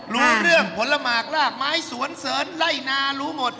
รู้เรื่องผลหมากลากไม้สวนเสริญไล่นารู้หมด